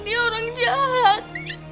dia orang jahat